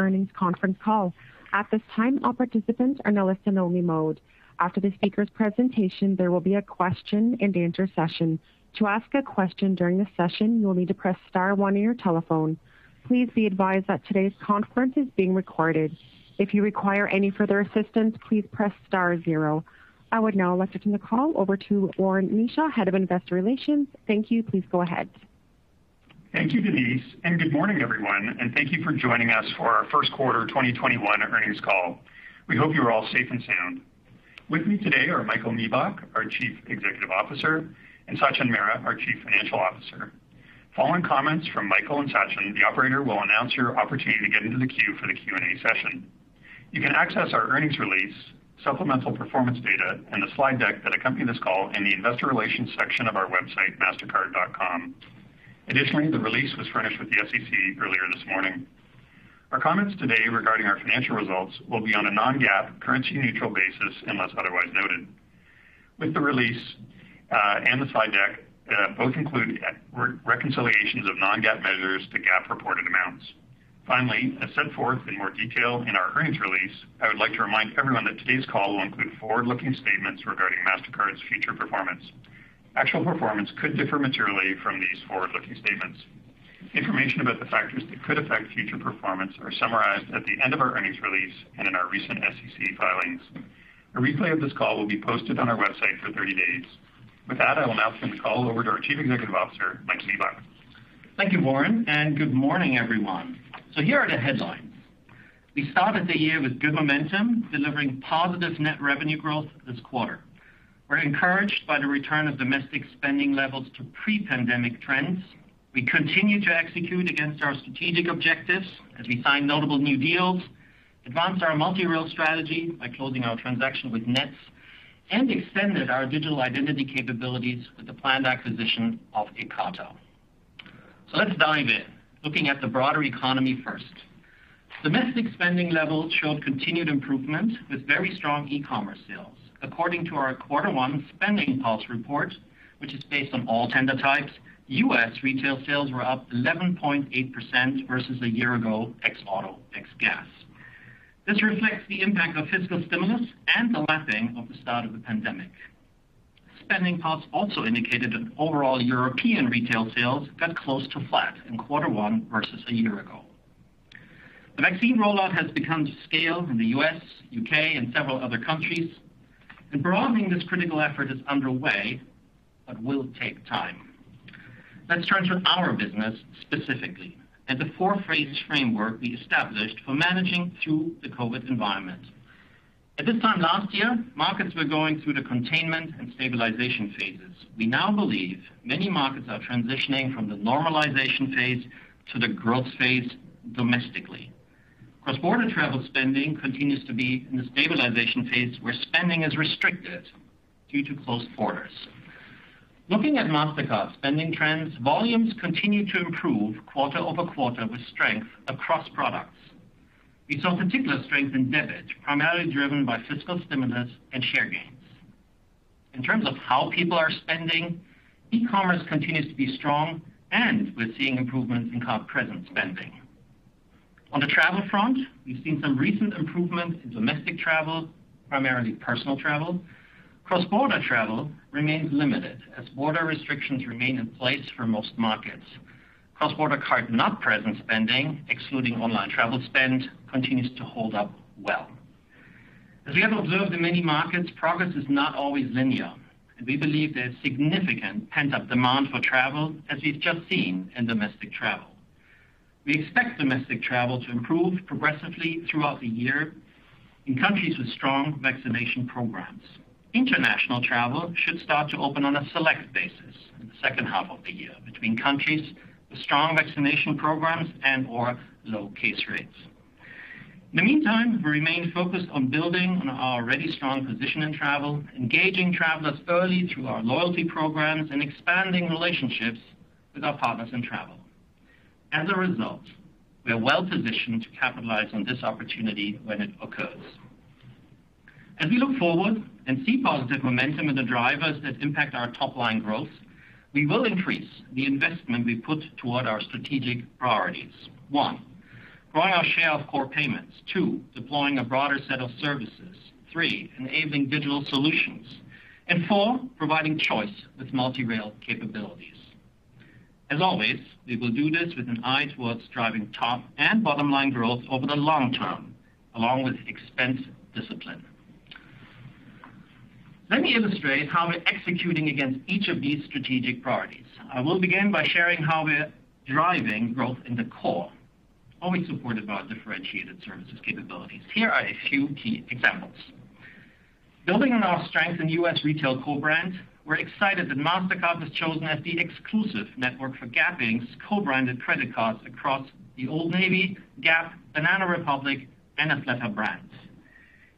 Earnings conference call. At this time, all participants are in a listen-only mode. After the speakers' presentation, there will be a question and answer session. To ask a question during the session, you will need to press star one on your telephone. Please be advised that today's conference is being recorded. If you require any further assistance, please press star zero. I would now like to turn the call over to Warren Kneeshaw, Head of Investor Relations. Thank you. Please go ahead. Thank you, Denise. Good morning, everyone. Thank you for joining us for our first quarter 2021 earnings call. We hope you are all safe and sound. With me today are Michael Miebach, our Chief Executive Officer, and Sachin Mehra, our Chief Financial Officer. Following comments from Michael and Sachin, the operator will announce your opportunity to get into the queue for the Q&A session. You can access our earnings release, supplemental performance data, and the slide deck that accompany this call in the investor relations section of our website, mastercard.com. Additionally, the release was furnished with the SEC earlier this morning. Our comments today regarding our financial results will be on a non-GAAP, currency-neutral basis, unless otherwise noted. With the release, and the slide deck, both include reconciliations of non-GAAP measures to GAAP reported amounts. Finally, as set forth in more detail in our earnings release, I would like to remind everyone that today's call will include forward-looking statements regarding Mastercard's future performance. Actual performance could differ materially from these forward-looking statements. Information about the factors that could affect future performance are summarized at the end of our earnings release and in our recent SEC filings. A replay of this call will be posted on our website for 30 days. With that, I will now turn the call over to our Chief Executive Officer, Michael Miebach. Thank you, Warren. Good morning, everyone. Here are the headlines. We started the year with good momentum, delivering positive net revenue growth this quarter. We're encouraged by the return of domestic spending levels to pre-pandemic trends. We continue to execute against our strategic objectives as we sign notable new deals, advance our multi-rail strategy by closing our transaction with Nets, and extended our digital identity capabilities with the planned acquisition of Ekata. Let's dive in. Looking at the broader economy first. Domestic spending levels showed continued improvement with very strong e-commerce sales. According to our quarter one SpendingPulse report, which is based on all tender types, U.S. retail sales were up 11.8% versus a year ago, ex auto, ex gas. This reflects the impact of fiscal stimulus and the lapping of the start of the pandemic. SpendingPulse also indicated that overall European retail sales got close to flat in quarter one versus a year-ago. The vaccine rollout has begun to scale in the U.S., U.K., and several other countries. Broadening this critical effort is underway but will take time. Let's turn to our business specifically and the four-phase framework we established for managing through the COVID environment. At this time last year, markets were going through the containment and stabilization phases. We now believe many markets are transitioning from the normalization phase to the growth phase domestically. Cross-border travel spending continues to be in the stabilization phase, where spending is restricted due to closed borders. Looking at Mastercard spending trends, volumes continue to improve quarter-over-quarter with strength across products. We saw particular strength in debit, primarily driven by fiscal stimulus and share gains. In terms of how people are spending, e-commerce continues to be strong, and we're seeing improvements in card-present spending. On the travel front, we've seen some recent improvement in domestic travel, primarily personal travel. Cross-border travel remains limited as border restrictions remain in place for most markets. Cross-border card-not-present spending, excluding online travel spend, continues to hold up well. As we have observed in many markets, progress is not always linear, and we believe there's significant pent-up demand for travel, as we've just seen in domestic travel. We expect domestic travel to improve progressively throughout the year in countries with strong vaccination programs. International travel should start to open on a select basis in the second half of the year between countries with strong vaccination programs and/or low case rates. In the meantime, we remain focused on building on our already strong position in travel, engaging travelers early through our loyalty programs, and expanding relationships with our partners in travel. As a result, we are well positioned to capitalize on this opportunity when it occurs. As we look forward and see positive momentum in the drivers that impact our top-line growth, we will increase the investment we put toward our strategic priorities. One, growing our share of core payments. Two, deploying a broader set of services. Three, enabling digital solutions. Four, providing choice with multi-rail capabilities. As always, we will do this with an eye towards driving top and bottom-line growth over the long term, along with expense discipline. Let me illustrate how we're executing against each of these strategic priorities. I will begin by sharing how we're driving growth in the core, always supported by our differentiated services capabilities. Here are a few key examples. Building on our strength in U.S. retail co-brand, we're excited that Mastercard was chosen as the exclusive network for Gap Inc.'s co-branded credit cards across the Old Navy, Gap, Banana Republic, and Athleta brands.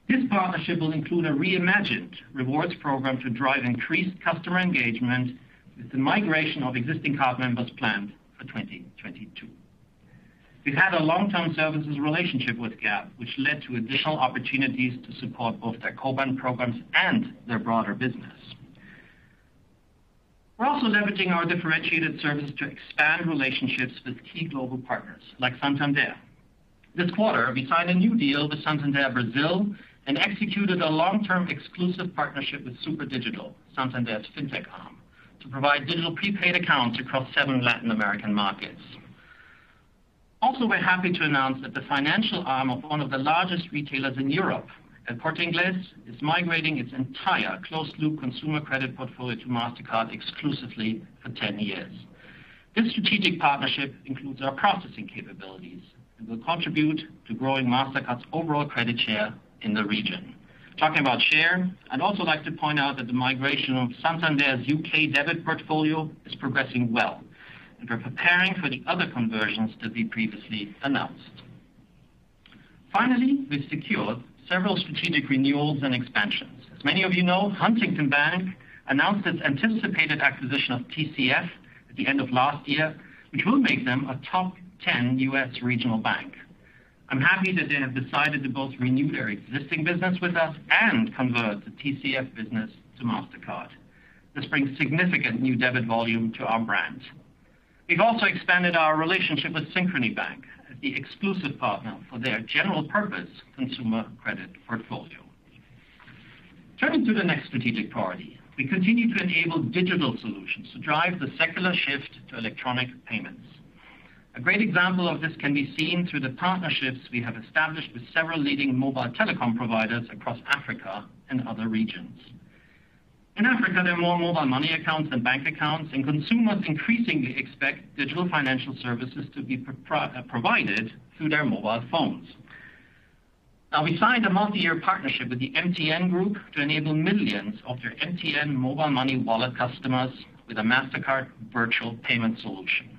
This partnership will include a reimagined rewards program to drive increased customer engagement with the migration of existing card members planned for 2022. We've had a long-term services relationship with Gap, which led to additional opportunities to support both their co-brand programs and their broader business. We're also leveraging our differentiated services to expand relationships with key global partners, like Santander. This quarter, we signed a new deal with Santander Brazil and executed a long-term exclusive partnership with Superdigital, Santander's fintech arm, to provide digital prepaid accounts across seven Latin American markets. We're happy to announce that the financial arm of one of the largest retailers in Europe, El Corte Inglés, is migrating its entire closed-loop consumer credit portfolio to Mastercard exclusively for 10 years. This strategic partnership includes our processing capabilities and will contribute to growing Mastercard's overall credit share in the region. Talking about share, I'd also like to point out that the migration of Santander's U.K. debit portfolio is progressing well, and we're preparing for the other conversions that we previously announced. We secured several strategic renewals and expansions. As many of you know, Huntington Bank announced its anticipated acquisition of TCF at the end of last year, which will make them a top 10 U.S. regional bank. I'm happy that they have decided to both renew their existing business with us and convert the TCF business to Mastercard. This brings significant new debit volume to our brand. We've also expanded our relationship with Synchrony Bank as the exclusive partner for their general purpose consumer credit portfolio. Turning to the next strategic priority, we continue to enable digital solutions to drive the secular shift to electronic payments. A great example of this can be seen through the partnerships we have established with several leading mobile telecom providers across Africa and other regions. In Africa, there are more mobile money accounts than bank accounts, and consumers increasingly expect digital financial services to be provided through their mobile phones. We signed a multi-year partnership with the MTN Group to enable millions of their MTN Mobile Money wallet customers with a Mastercard virtual payment solution.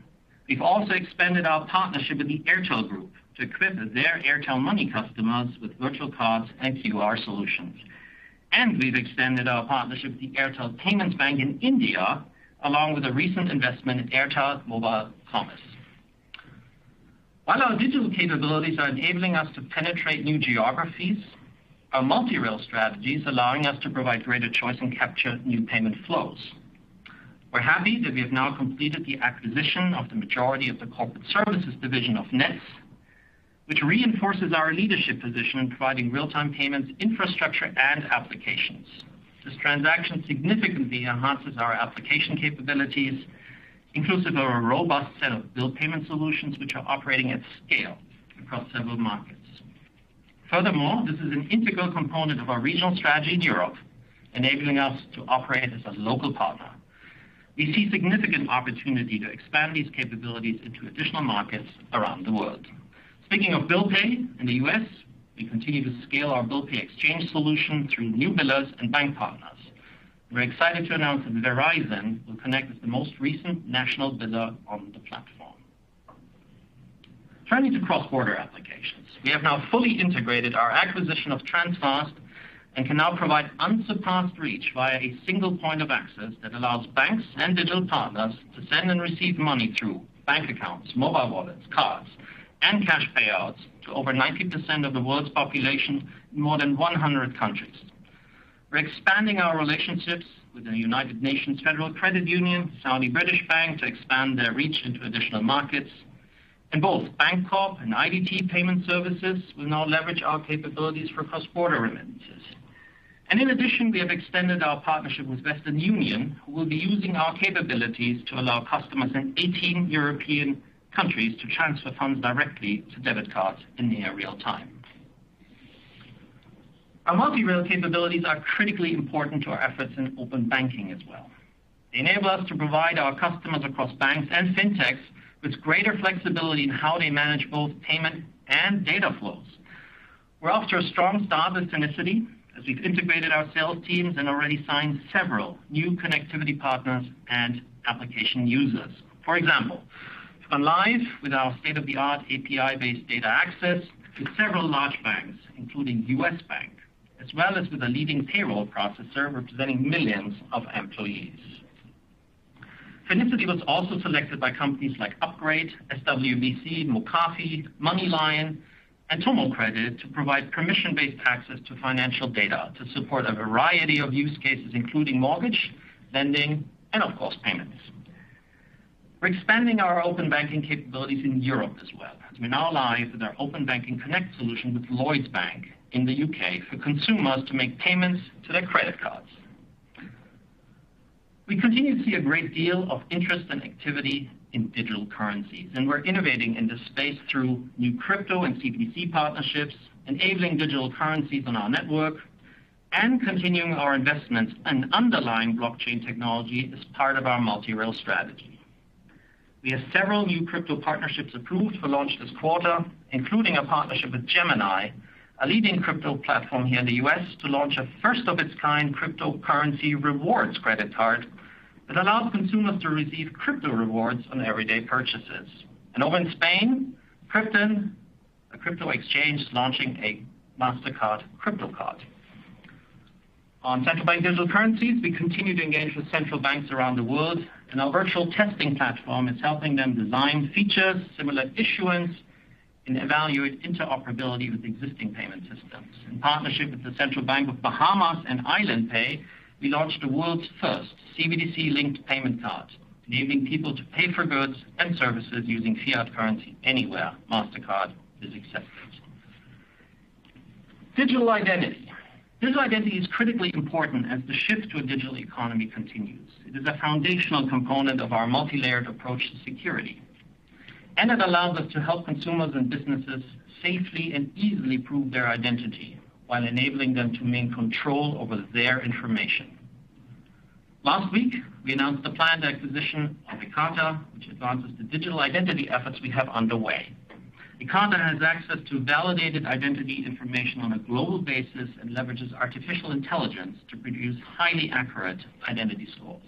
We've also expanded our partnership with the Airtel Group to equip their Airtel Money customers with virtual cards and QR solutions. We've extended our partnership with the Airtel Payments Bank in India, along with a recent investment in Airtel Mobile Commerce. While our digital capabilities are enabling us to penetrate new geographies, our multi-rail strategy is allowing us to provide greater choice and capture new payment flows. We're happy that we have now completed the acquisition of the majority of the corporate services division of Nets, which reinforces our leadership position in providing real-time payments infrastructure and applications. This transaction significantly enhances our application capabilities, inclusive of a robust set of bill payment solutions which are operating at scale across several markets. Furthermore, this is an integral component of our regional strategy in Europe, enabling us to operate as a local partner. We see significant opportunity to expand these capabilities into additional markets around the world. Speaking of Bill Pay Exchange in the U.S., we continue to scale our Bill Pay Exchange solution through new billers and bank partners. We're excited to announce that Verizon will connect with the most recent national biller on the platform. Turning to cross-border applications, we have now fully integrated our acquisition of Transfast and can now provide unsurpassed reach via a single point of access that allows banks and digital partners to send and receive money through bank accounts, mobile wallets, cards, and cash payouts to over 90% of the world's population in more than 100 countries. We're expanding our relationships with the United Nations Federal Credit Union, Saudi British Bank to expand their reach into additional markets. Both Bank Corp and IDT Payment Services will now leverage our capabilities for cross-border remittances. In addition, we have extended our partnership with Western Union, who will be using our capabilities to allow customers in 18 European countries to transfer funds directly to debit cards in near real-time. Our multi-rail capabilities are critically important to our efforts in open banking as well. They enable us to provide our customers across banks and fintechs with greater flexibility in how they manage both payment and data flows. We're off to a strong start with Finicity, as we've integrated our sales teams and already signed several new connectivity partners and application users. For example, we've gone live with our state-of-the-art API-based data access to several large banks, including U.S. Bank, as well as with a leading payroll processor representing millions of employees. Finicity was also selected by companies like Upgrade, SWBC, McAfee, MoneyLion, and TomoCredit to provide permission-based access to financial data to support a variety of use cases, including mortgage, lending, and of course, payments. We're expanding our open banking capabilities in Europe as well, as we now live with our Open Banking Connect solution with Lloyds Bank in the U.K. for consumers to make payments to their credit cards. We continue to see a great deal of interest and activity in digital currencies, and we're innovating in this space through new crypto and CBDC partnerships, enabling digital currencies on our network, and continuing our investments in underlying blockchain technology as part of our multi-rail strategy. We have several new crypto partnerships approved for launch this quarter, including a partnership with Gemini, a leading crypto platform here in the U.S., to launch a first-of-its-kind cryptocurrency rewards credit card that allows consumers to receive crypto rewards on everyday purchases. Over in Spain, Crypto.com, a crypto exchange, is launching a Mastercard crypto card. On central bank digital currencies, we continue to engage with central banks around the world, and our virtual testing platform is helping them design features similar to issuance and evaluate interoperability with existing payment systems. In partnership with the Central Bank of The Bahamas and Island Pay, we launched the world's first CBDC-linked payment card, enabling people to pay for goods and services using fiat currency anywhere Mastercard is accepted. Digital identity. Digital identity is critically important as the shift to a digital economy continues. It is a foundational component of our multi-layered approach to security. It allows us to help consumers and businesses safely and easily prove their identity while enabling them to maintain control over their information. Last week, we announced the planned acquisition of Ekata, which advances the digital identity efforts we have underway. Ekata has access to validated identity information on a global basis and leverages artificial intelligence to produce highly accurate identity scores.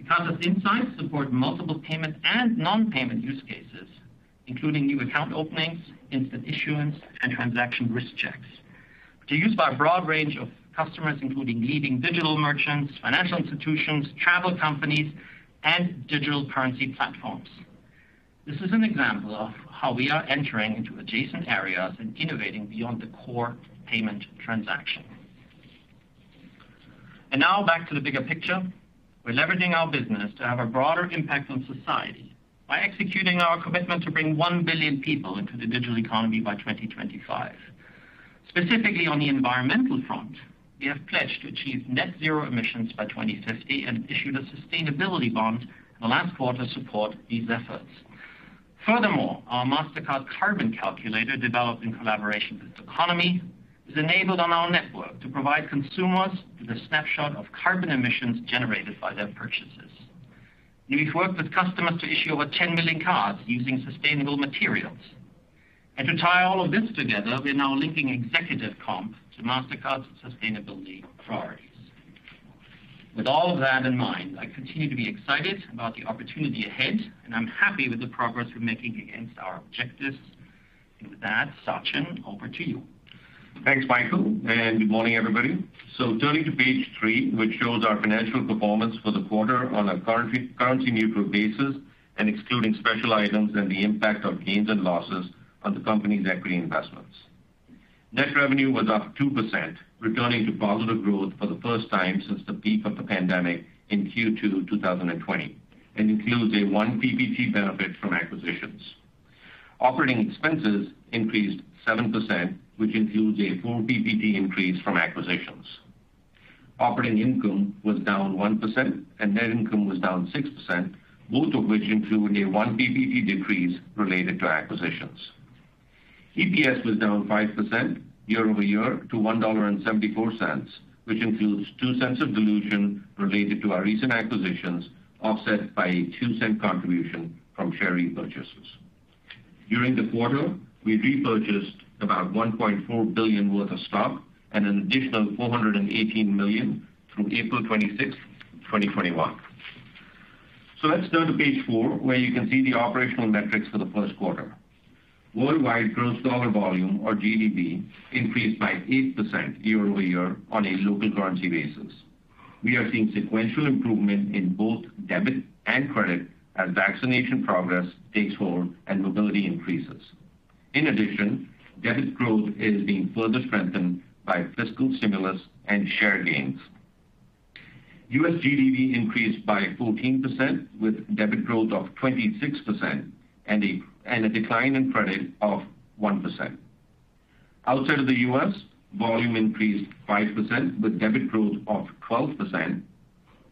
Ekata's insights support multiple payment and non-payment use cases, including new account openings, instant issuance, and transaction risk checks, which are used by a broad range of customers, including leading digital merchants, financial institutions, travel companies, and digital currency platforms. This is an example of how we are entering into adjacent areas and innovating beyond the core payment transaction. Now back to the bigger picture. We're leveraging our business to have a broader impact on society by executing our commitment to bring one billion people into the digital economy by 2025. Specifically on the environmental front, we have pledged to achieve net zero emissions by 2050 and issued a sustainability bond in the last quarter to support these efforts. Furthermore, our Mastercard Carbon Calculator, developed in collaboration with Doconomy, is enabled on our network to provide consumers with a snapshot of carbon emissions generated by their purchases. We've worked with customers to issue over 10 million cards using sustainable materials. To tie all of this together, we are now linking executive comp to Mastercard's sustainability priorities. With all of that in mind, I continue to be excited about the opportunity ahead, and I'm happy with the progress we're making against our objectives. With that, Sachin, over to you. Thanks, Michael. Good morning, everybody. Turning to page three, which shows our financial performance for the quarter on a currency-neutral basis and excluding special items and the impact of gains and losses on the company's equity investments. Net revenue was up 2%, returning to positive growth for the first time since the peak of the pandemic in Q2 2020, and includes a one ppt benefit from acquisitions. Operating expenses increased 7%, which includes a four ppt increase from acquisitions. Operating income was down 1% and net income was down 6%, both of which include a one ppt decrease related to acquisitions. EPS was down 5% year-over-year to $1.74, which includes $0.02 of dilution related to our recent acquisitions, offset by a $0.02 contribution from share repurchases. During the quarter, we repurchased about $1.4 billion worth of stock and an additional $418 million through April 26th, 2021. Let's turn to page four, where you can see the operational metrics for the first quarter. Worldwide gross dollar volume, or GDV, increased by 8% year-over-year on a local currency basis. We are seeing sequential improvement in both debit and credit as vaccination progress takes hold and mobility increases. In addition, debit growth is being further strengthened by fiscal stimulus and share gains. U.S. GDV increased by 14%, with debit growth of 26% and a decline in credit of 1%. Outside of the U.S., volume increased 5%, with debit growth of 12%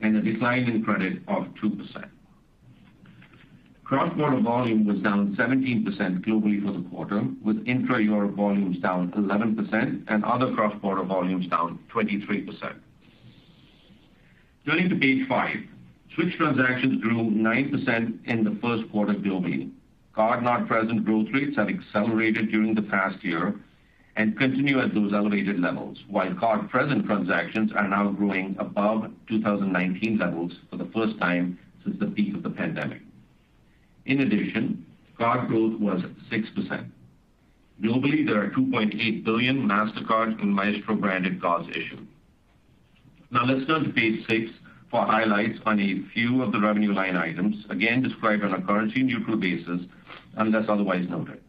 and a decline in credit of 2%. Cross-border volume was down 17% globally for the quarter, with intra-Europe volumes down 11% and other cross-border volumes down 23%. Turning to page five. Switch transactions grew 9% in the first quarter globally. Card-not-present growth rates have accelerated during the past year and continue at those elevated levels, while card-present transactions are now growing above 2019 levels for the first time since the peak of the pandemic. Card growth was 6%. Globally, there are 2.8 billion Mastercard and Maestro branded cards issued. Let's turn to page six for highlights on a few of the revenue line items, again, described on a currency-neutral basis, unless otherwise noted.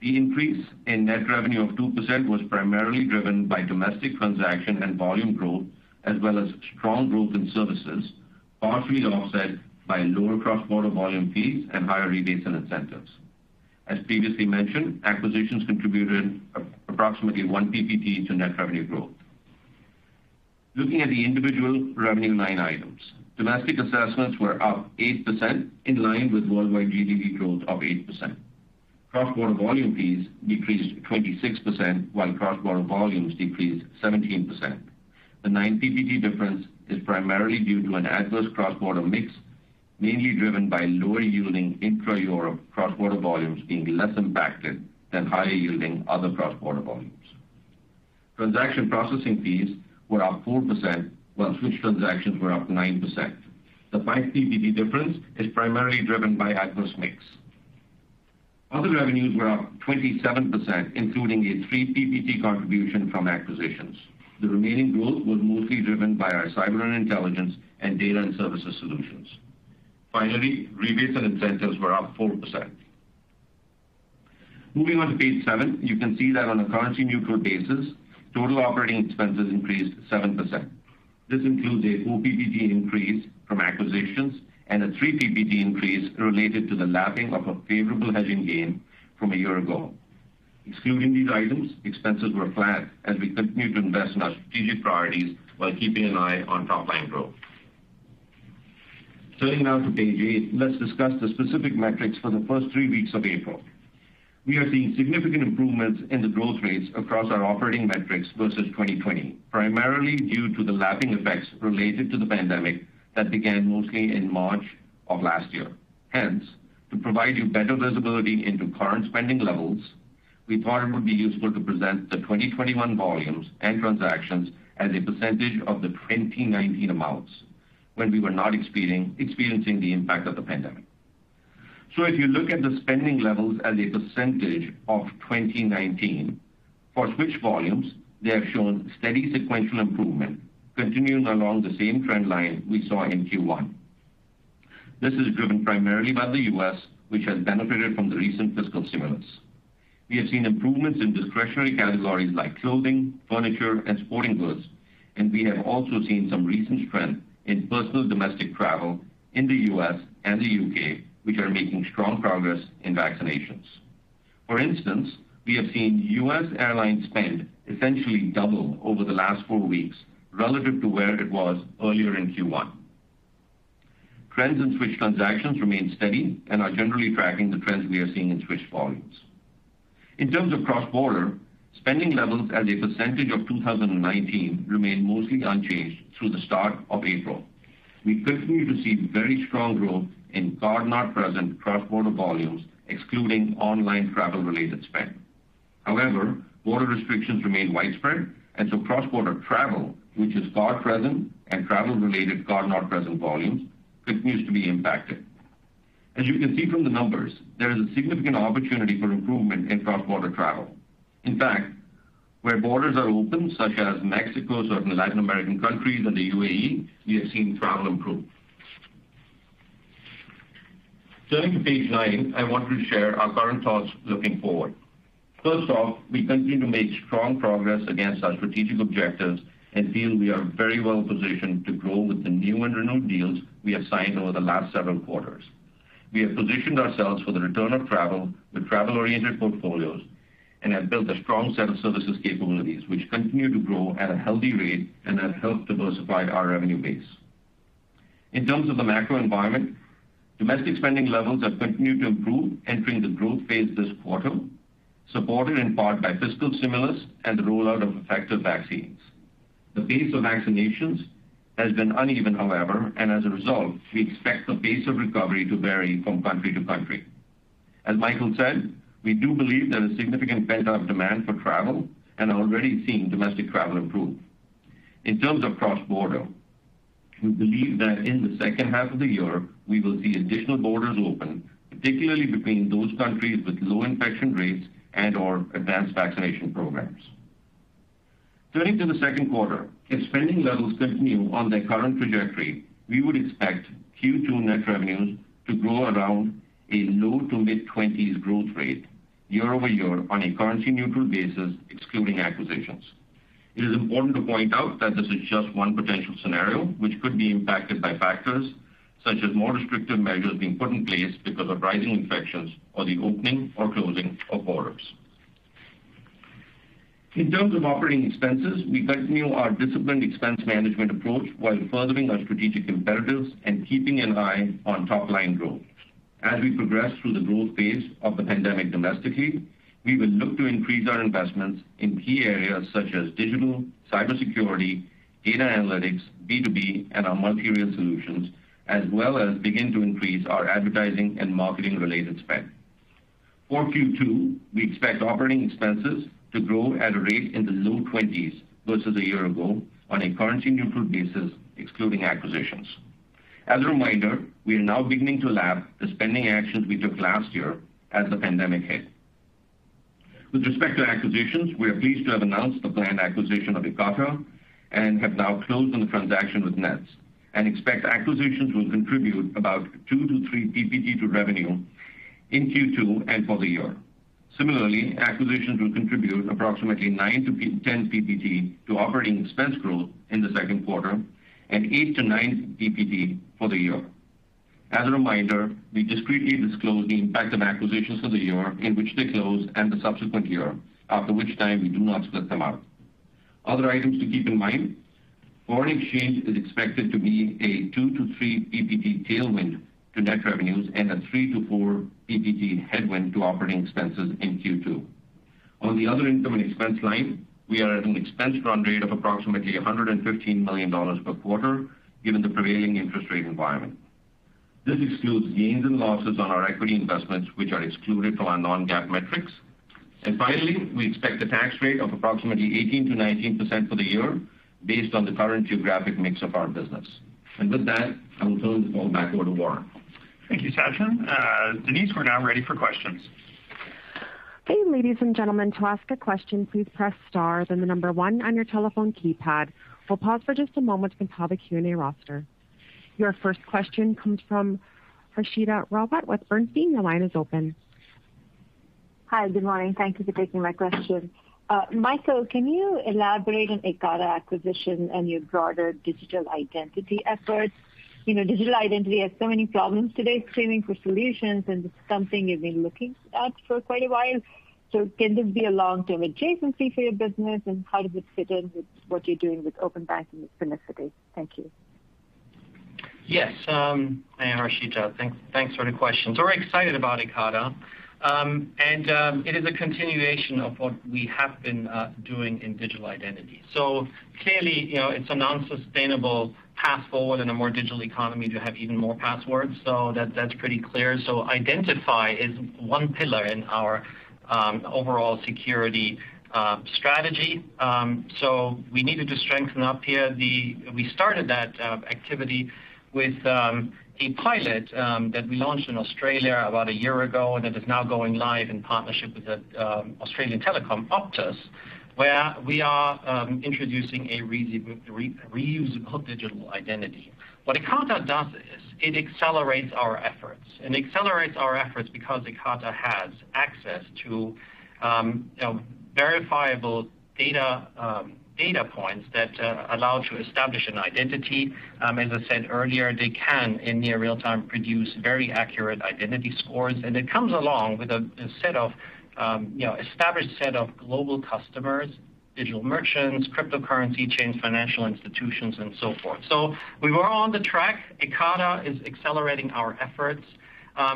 The increase in net revenue of 2% was primarily driven by domestic transaction and volume growth, as well as strong growth in services, partially offset by lower cross-border volume fees and higher rebates and incentives. As previously mentioned, acquisitions contributed approximately one percentage point to net revenue growth. Looking at the individual revenue line items. Domestic assessments were up 8%, in line with worldwide GDP growth of 8%. Cross-border volume fees decreased 26%, while cross-border volumes decreased 17%. The nine ppt difference is primarily due to an adverse cross-border mix, mainly driven by lower yielding intra-Europe cross-border volumes being less impacted than higher yielding other cross-border volumes. Transaction processing fees were up 4%, while switch transactions were up 9%. The five ppt difference is primarily driven by adverse mix. Other revenues were up 27%, including a three ppt contribution from acquisitions. The remaining growth was mostly driven by our Cyber & Intelligence and Data & Services solutions. Finally, rebates and incentives were up 4%. Moving on to page seven, you can see that on a currency-neutral basis, total operating expenses increased 7%. This includes a four ppt increase from acquisitions and a three ppt increase related to the lapping of a favorable hedging gain from a year ago. Excluding these items, expenses were flat as we continue to invest in our strategic priorities while keeping an eye on top-line growth. Turning now to page eight, let's discuss the specific metrics for the first three weeks of April. We are seeing significant improvements in the growth rates across our operating metrics versus 2020, primarily due to the lapping effects related to the pandemic that began mostly in March of last year. Hence, to provide you better visibility into current spending levels, we thought it would be useful to present the 2021 volumes and transactions as a percentage of the 2019 amounts when we were not experiencing the impact of the pandemic. If you look at the spending levels as a percentage of 2019, for switch volumes, they have shown steady sequential improvement, continuing along the same trend line we saw in Q1. This is driven primarily by the U.S., which has benefited from the recent fiscal stimulus. We have seen improvements in discretionary categories like clothing, furniture, and sporting goods, and we have also seen some recent trends in personal domestic travel in the U.S. and the U.K., which are making strong progress in vaccinations. For instance, we have seen U.S. airline spend essentially double over the last four weeks relative to where it was earlier in Q1. Trends in switch transactions remain steady and are generally tracking the trends we are seeing in switch volumes. In terms of cross-border, spending levels as a percentage of 2019 remained mostly unchanged through the start of April. We continue to see very strong growth in card-not-present cross-border volumes, excluding online travel-related spend. However, border restrictions remain widespread, cross-border travel, which is card-present and travel-related card-not-present volumes, continues to be impacted. As you can see from the numbers, there is a significant opportunity for improvement in cross-border travel. In fact, where borders are open, such as Mexico, certain Latin American countries, and the UAE, we have seen travel improve. Turning to page nine, I want to share our current thoughts looking forward. First off, we continue to make strong progress against our strategic objectives and feel we are very well positioned to grow with the new and renewed deals we have signed over the last several quarters. We have positioned ourselves for the return of travel with travel-oriented portfolios and have built a strong set of services capabilities, which continue to grow at a healthy rate and have helped diversify our revenue base. In terms of the macro environment, domestic spending levels have continued to improve, entering the growth phase this quarter, supported in part by fiscal stimulus and the rollout of effective vaccines. The pace of vaccinations has been uneven, however, and as a result, we expect the pace of recovery to vary from country to country. As Michael said, we do believe there's a significant pent-up demand for travel and are already seeing domestic travel improve. In terms of cross-border, we believe that in the second half of the year, we will see additional borders open, particularly between those countries with low infection rates and/or advanced vaccination programs. Turning to the second quarter, if spending levels continue on their current trajectory, we would expect Q2 net revenues to grow around a low to mid-20s growth rate year-over-year on a currency-neutral basis, excluding acquisitions. It is important to point out that this is just one potential scenario, which could be impacted by factors such as more restrictive measures being put in place because of rising infections or the opening or closing of borders. In terms of operating expenses, we continue our disciplined expense management approach while furthering our strategic imperatives and keeping an eye on top-line growth. As we progress through the growth phase of the pandemic domestically, we will look to increase our investments in key areas such as digital, cybersecurity, data analytics, B2B, and our multi-rail solutions, as well as begin to increase our advertising and marketing-related spend. For Q2, we expect operating expenses to grow at a rate in the low 20s versus a year ago on a currency-neutral basis, excluding acquisitions. As a reminder, we are now beginning to lap the spending actions we took last year as the pandemic hit. With respect to acquisitions, we are pleased to have announced the planned acquisition of Ekata and have now closed on the transaction with Nets and expect acquisitions will contribute about two to three ppt to revenue in Q2 and for the year. Similarly, acquisitions will contribute approximately 9-10 ppt to operating expense growth in the second quarter and eight to nine ppt for the year. As a reminder, we discretely disclose the impact of acquisitions for the year in which they close and the subsequent year, after which time we do not split them out. Other items to keep in mind, foreign exchange is expected to be a two to three ppt tailwind to net revenues and a three to four ppt headwind to operating expenses in Q2. On the other income and expense line, we are at an expense run rate of approximately $115 million per quarter, given the prevailing interest rate environment. This excludes gains and losses on our equity investments, which are excluded from our non-GAAP metrics. Finally, we expect a tax rate of approximately 18%-19% for the year based on the current geographic mix of our business. With that, I will turn the call back over to Warren. Thank you, Sachin. Denise, we're now ready for questions. Hey, ladies and gentlemen. Your first question comes from Harshita Rawat with Bernstein. Your line is open. Hi, good morning. Thank you for taking my question. Michael, can you elaborate on Ekata acquisition and your broader digital identity efforts? Digital identity has so many problems today screaming for solutions, and it's something you've been looking at for quite a while. Can this be a long-term adjacency for your business, and how does it fit in with what you're doing with open banking with Finicity? Thank you. Hi, Harshita. Thanks for the question. We're excited about Ekata. It is a continuation of what we have been doing in digital identity. Clearly, it's a non-sustainable path forward in a more digital economy to have even more passwords. That's pretty clear. Identity is one pillar in our overall security strategy. We needed to strengthen up here. We started that activity with a pilot that we launched in Australia about a year ago, and it is now going live in partnership with the Australian telecom, Optus, where we are introducing a reusable digital identity. What Ekata does is it accelerates our efforts, and it accelerates our efforts because Ekata has access to verifiable data points that allow to establish an identity. As I said earlier, they can, in near real-time, produce very accurate identity scores. It comes along with an established set of global customers, digital merchants, cryptocurrency chains, financial institutions, and so forth. We were on the track. Ekata is accelerating our efforts.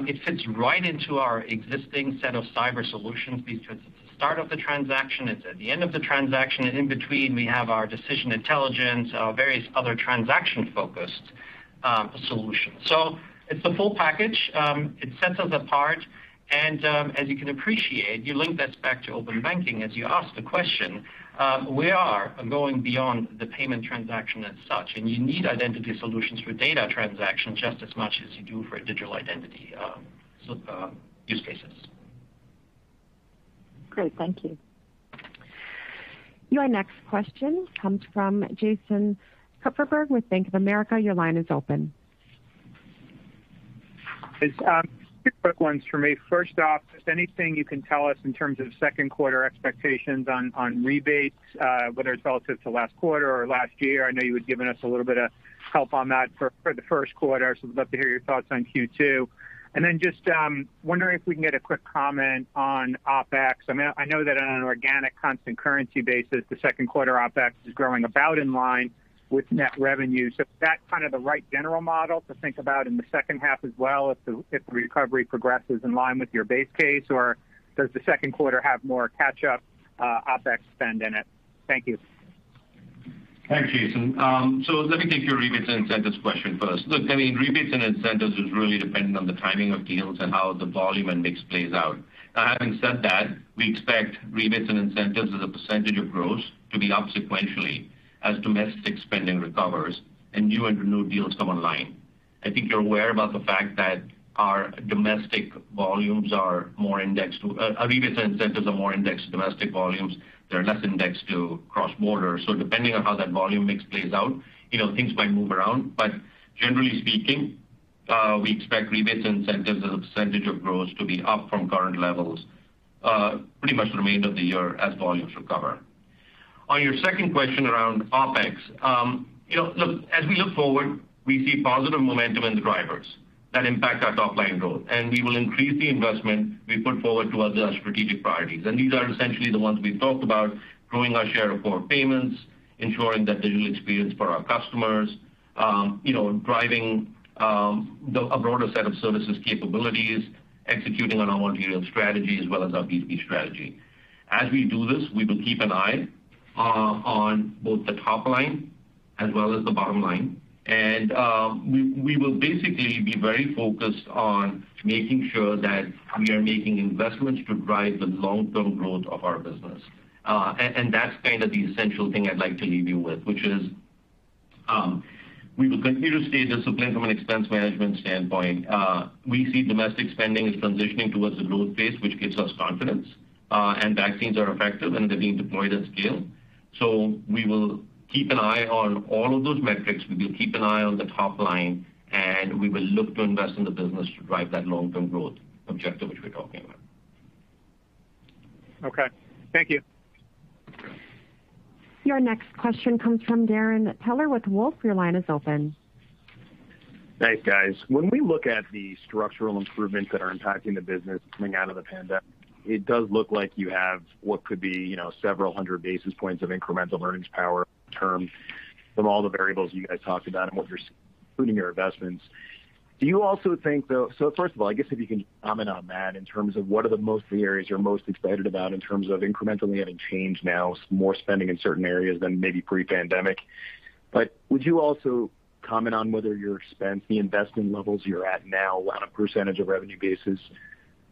It fits right into our existing set of cyber solutions because it's the start of the transaction, it's at the end of the transaction, and in between, we have our Decision Intelligence, our various other transaction-focused solutions. It's the full package. It sets us apart. As you can appreciate, you link this back to open banking as you asked the question, we are going beyond the payment transaction as such, and you need identity solutions for data transactions just as much as you do for digital identity use cases. Great. Thank you. Your next question comes from Jason Kupferberg with Bank of America. Your line is open. It's two quick ones for me. First off, just anything you can tell us in terms of second quarter expectations on rebates whether it's relative to last quarter or last year? I know you had given us a little bit of help on that for the first quarter, we'd love to hear your thoughts on Q2. Then just wondering if we can get a quick comment on OpEx. I know that on an organic constant currency basis, the second quarter OpEx is growing about in line with net revenue. Is that kind of the right general model to think about in the second half as well if the recovery progresses in line with your base case? Does the second quarter have more catch-up OpEx spend in it? Thank you. Thanks, Jason. Let me take your rebates and incentives question first. Look, rebates and incentives is really dependent on the timing of deals and how the volume and mix plays out. Now, having said that, we expect rebates and incentives as a percentage of gross to be up sequentially as domestic spending recovers and new deals come online. I think you're aware about the fact that our rebates and incentives are more indexed to domestic volumes. They're less indexed to cross-border. Depending on how that volume mix plays out, things might move around. Generally speaking, we expect rebates incentives as a percentage of gross to be up from current levels pretty much the remainder of the year as volumes recover. On your second question around OpEx. Look, as we look forward, we see positive momentum in the drivers that impact our top-line growth, we will increase the investment we put forward to other strategic priorities. These are essentially the ones we've talked about, growing our share of core payments, ensuring that digital experience for our customers, driving a broader set of services capabilities, executing on our multi-rail strategy as well as our B2B strategy. As we do this, we will keep an eye on both the top line as well as the bottom line. We will basically be very focused on making sure that we are making investments to drive the long-term growth of our business. That's kind of the essential thing I'd like to leave you with, which is we will continue to stay disciplined from an expense management standpoint. We see domestic spending is transitioning towards a growth phase, which gives us confidence. Vaccines are effective, and they're being deployed at scale. We will keep an eye on all of those metrics. We will keep an eye on the top line, and we will look to invest in the business to drive that long-term growth objective which we're talking about. Okay. Thank you. Your next question comes from Darrin Peller with Wolfe. Your line is open. Thanks, guys. When we look at the structural improvements that are impacting the business coming out of the pandemic, it does look like you have what could be several hundred basis points of incremental earnings power terms from all the variables you guys talked about and what you're including your investments. First of all, I guess if you can comment on that in terms of what are the areas you're most excited about in terms of incrementally having changed now, more spending in certain areas than maybe pre-pandemic. Would you also comment on whether your expense, the investing levels you're at now on a percentage of revenue basis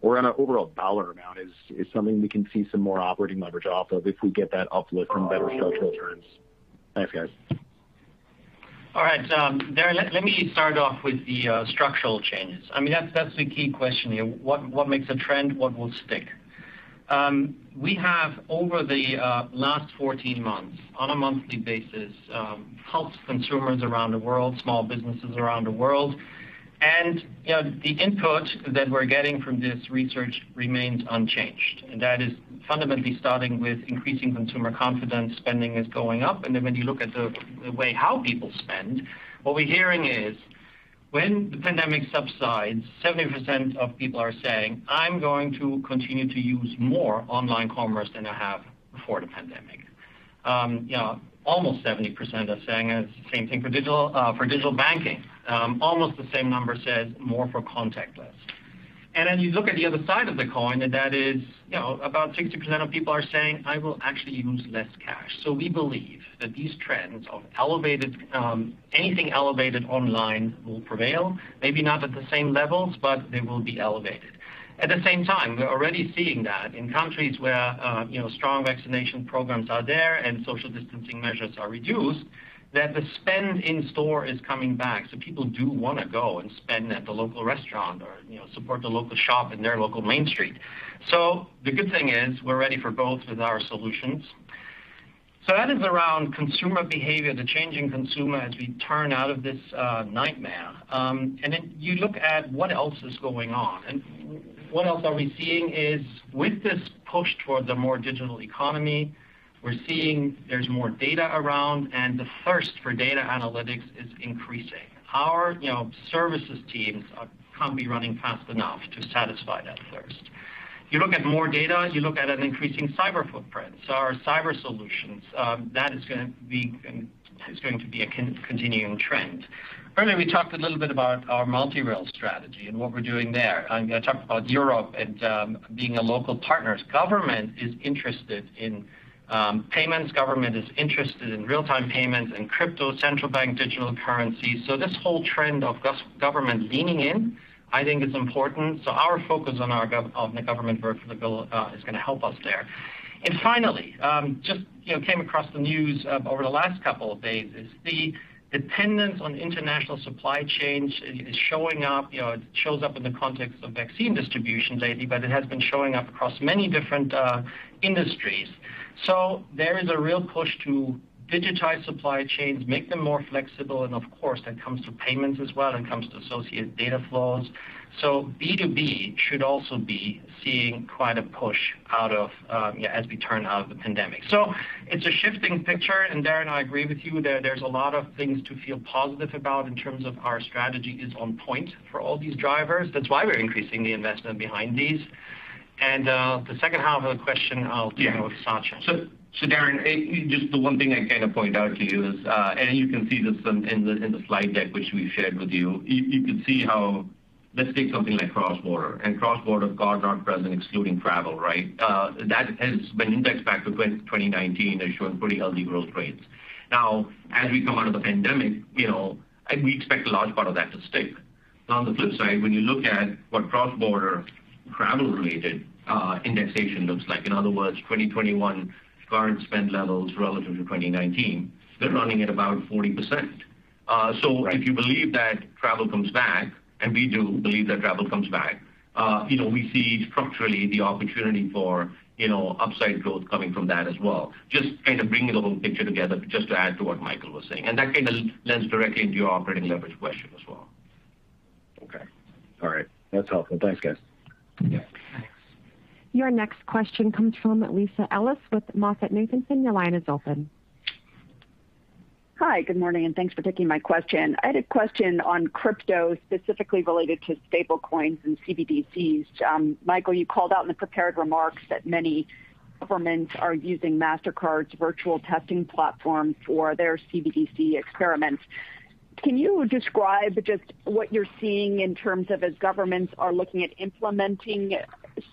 or on an overall dollar amount is something we can see some more operating leverage off of if we get that uplift from better structural returns? Thanks, guys. All right. Darrin, let me start off with the structural changes. That's the key question here. What makes a trend? What will stick? We have over the last 14 months, on a monthly basis, helped consumers around the world, small businesses around the world. The input that we're getting from this research remains unchanged. That is fundamentally starting with increasing consumer confidence. Spending is going up. When you look at the way how people spend, what we're hearing is when the pandemic subsides, 70% of people are saying, "I'm going to continue to use more online commerce than I have before the pandemic." Almost 70% are saying the same thing for digital banking. Almost the same number said more for contactless. You look at the other side of the coin, and that is about 60% of people are saying, "I will actually use less cash." We believe that these trends of anything elevated online will prevail, maybe not at the same levels, but they will be elevated. At the same time, we're already seeing that in countries where strong vaccination programs are there and social distancing measures are reduced, that the spend in store is coming back. People do want to go and spend at the local restaurant or support the local shop in their local main street. The good thing is we're ready for both with our solutions. That is around consumer behavior, the changing consumer as we turn out of this nightmare. You look at what else is going on. What else are we seeing is with this push toward the more digital economy, we're seeing there's more data around, and the thirst for data analytics is increasing. Our services teams can't be running fast enough to satisfy that thirst. You look at more data, you look at an increasing cyber footprint. Our cyber solutions, that is going to be a continuing trend. Earlier, we talked a little bit about our multi-rail strategy and what we're doing there. I talked about Europe and being a local partner. Government is interested in payments. Government is interested in real-time payments and crypto, central bank digital currency. This whole trend of government leaning in, I think, is important. Our focus on the government vertical is going to help us there. Finally, just came across the news over the last couple of days, is the dependence on international supply chains is showing up. It shows up in the context of vaccine distribution lately, but it has been showing up across many different industries. There is a real push to digitize supply chains, make them more flexible, and of course, that comes to payments as well and comes to associated data flows. B2B should also be seeing quite a push as we turn out of the pandemic. It's a shifting picture. Darrin, I agree with you there. There's a lot of things to feel positive about in terms of our strategy is on point for all these drivers. That's why we're increasing the investment behind these. The second half of the question, I'll give over to Sachin. Yeah. Darrin, just the one thing I point out to you is, and you can see this in the slide deck which we shared with you. Let's take something like cross-border. Cross-border card-not-present excluding travel. That has been indexed back to 2019 and showing pretty healthy growth rates. As we come out of the pandemic, we expect a large part of that to stick. On the flip side, when you look at what cross-border travel-related indexation looks like, in other words, 2021 card spend levels relative to 2019, they're running at about 40%. Right. If you believe that travel comes back, and we do believe that travel comes back, we see structurally the opportunity for upside growth coming from that as well. Just bringing the whole picture together, just to add to what Michael was saying. That lends directly into your operating leverage question as well. Okay. All right. That's helpful. Thanks, guys. Yeah. Thanks. Your next question comes from Lisa Ellis with MoffettNathanson. Your line is open. Hi, good morning, thanks for taking my question. I had a question on crypto, specifically related to stable coins and CBDCs. Michael, you called out in the prepared remarks that many governments are using Mastercard's virtual testing platform for their CBDC experiments. Can you describe just what you're seeing in terms of as governments are looking at implementing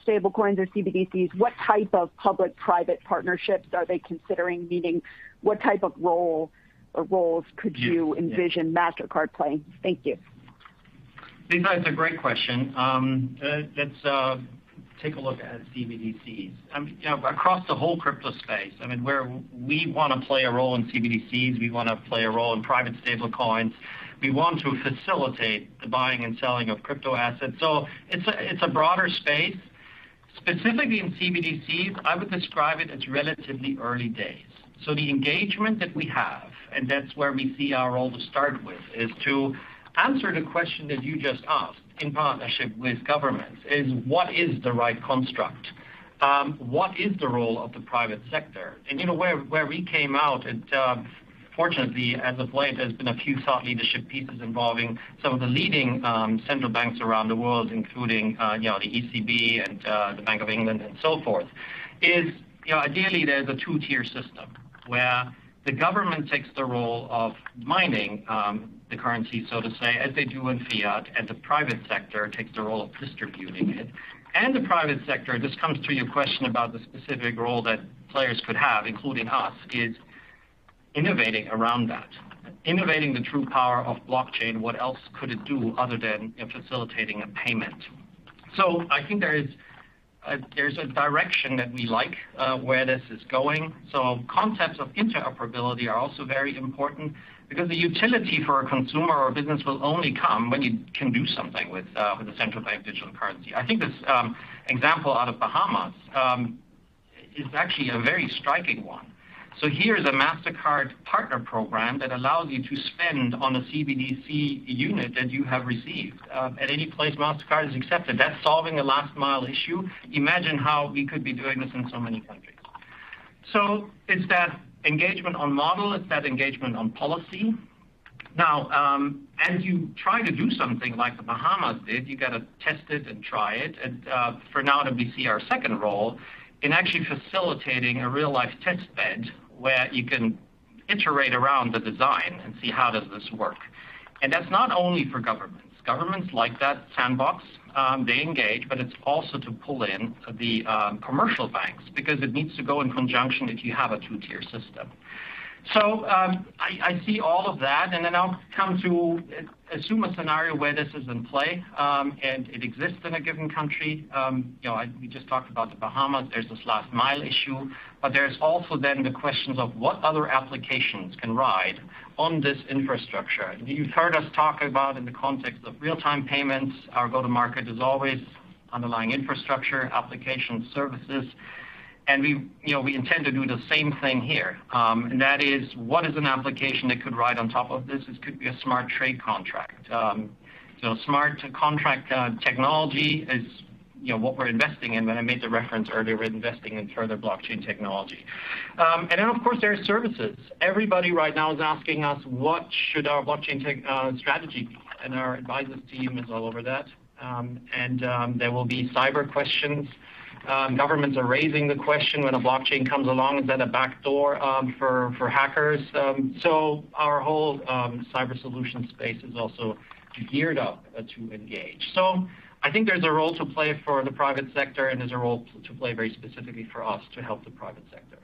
stable coins or CBDCs? What type of public-private partnerships are they considering, meaning what type of role or roles could you envision Mastercard playing? Thank you. Lisa, it's a great question. Let's take a look at CBDCs. Across the whole crypto space, we want to play a role in CBDCs. We want to play a role in private stable coins. We want to facilitate the buying and selling of crypto assets. It's a broader space. Specifically in CBDCs, I would describe it as relatively early days. The engagement that we have, and that's where we see our role to start with, is to answer the question that you just asked in partnership with governments is what is the right construct? What is the role of the private sector? Where we came out, fortunately, at the point, there's been a few thought leadership pieces involving some of the leading central banks around the world, including the ECB and the Bank of England and so forth, is ideally there's a two-tier system where the government takes the role of mining the currency, so to say, as they do in fiat, and the private sector takes the role of distributing it. The private sector, this comes to your question about the specific role that players could have, including us, is innovating around that. Innovating the true power of blockchain. What else could it do other than facilitating a payment? I think there's a direction that we like where this is going. Concepts of interoperability are also very important because the utility for a consumer or business will only come when you can do something with a central bank digital currency. I think this example out of Bahamas. It's actually a very striking one. Here is a Mastercard partner program that allows you to spend on a CBDC unit that you have received at any place Mastercard is accepted. That's solving a last mile issue. Imagine how we could be doing this in so many countries. It's that engagement on model, it's that engagement on policy. As you try to do something like the Bahamas did, you got to test it and try it. For now that we see our second role in actually facilitating a real-life test bed where you can iterate around the design and see how does this work. That's not only for governments. Governments like that sandbox, they engage. It's also to pull in the commercial banks because it needs to go in conjunction if you have a two-tier system. I see all of that. I'll come to assume a scenario where this is in play, and it exists in a given country. We just talked about The Bahamas. There's this last mile issue. There's also the questions of what other applications can ride on this infrastructure. You've heard us talk about in the context of real-time payments, our go-to-market is always underlying infrastructure, application services. We intend to do the same thing here. That is what is an application that could ride on top of this? This could be a smart trade contract. Smart contract technology is what we're investing in when I made the reference earlier, we're investing in further blockchain technology. Of course, there are services. Everybody right now is asking us, "What should our blockchain tech strategy be?" Our advisors team is all over that. There will be cyber questions. Governments are raising the question when a blockchain comes along, is that a backdoor for hackers? Our whole cyber solution space is also geared up to engage. I think there's a role to play for the private sector, and there's a role to play very specifically for us to help the private sector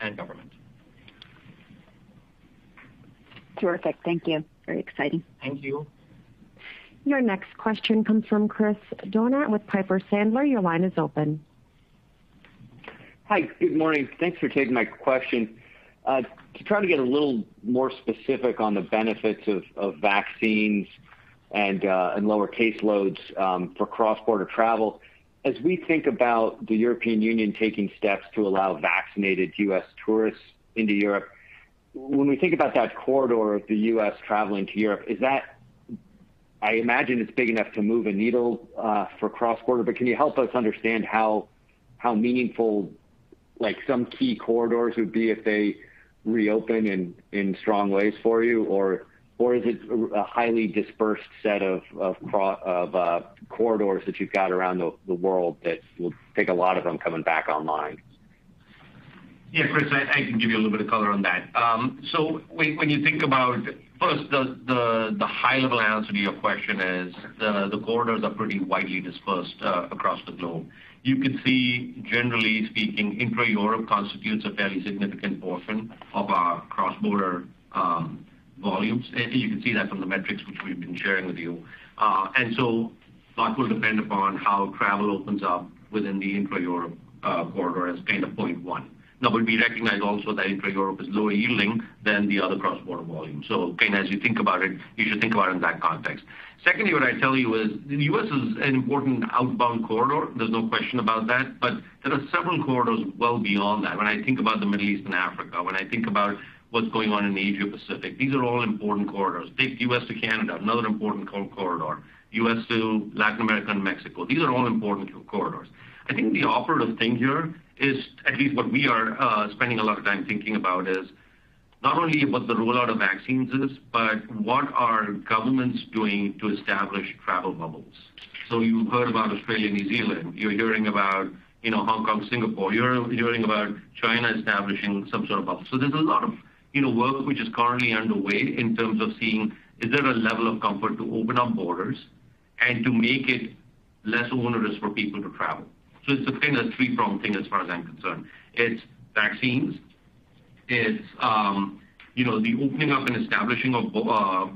and government. Terrific. Thank you. Very exciting. Thank you. Your next question comes from Chris Donat with Piper Sandler. Your line is open. Hi, good morning. Thanks for taking my question. To try to get a little more specific on the benefits of vaccines and lower caseloads for cross-border travel, as we think about the European Union taking steps to allow vaccinated U.S. tourists into Europe, when we think about that corridor of the U.S. traveling to Europe, I imagine it's big enough to move a needle for cross-border, but can you help us understand how meaningful some key corridors would be if they reopen in strong ways for you? Or is it a highly dispersed set of corridors that you've got around the world that will take a lot of them coming back online? Yeah, Chris, I can give you a little bit of color on that. When you think about first, the high-level answer to your question is the corridors are pretty widely dispersed across the globe. You can see, generally speaking, intra-Europe constitutes a fairly significant portion of our cross-border volumes. You can see that from the metrics which we've been sharing with you. That will depend upon how travel opens up within the intra-Europe corridor as kind of point one. We recognize also that intra-Europe is lower-yielding than the other cross-border volumes. Again, as you think about it, you should think about it in that context. Secondly, what I tell you is the U.S. is an important outbound corridor. There's no question about that. There are several corridors well beyond that. When I think about the Middle East and Africa, when I think about what's going on in the Asia Pacific, these are all important corridors. Take U.S. to Canada, another important corridor. U.S. to Latin America and Mexico. These are all important corridors. I think the operative thing here is, at least what we are spending a lot of time thinking about is not only what the rollout of vaccines is, but what are governments doing to establish travel bubbles? You've heard about Australia, New Zealand. You're hearing about Hong Kong, Singapore. You're hearing about China establishing some sort of bubble. There's a lot of work which is currently underway in terms of seeing is there a level of comfort to open up borders and to make it less onerous for people to travel. It's a kind of three-pronged thing as far as I'm concerned. It's vaccines, it's the opening up and establishing of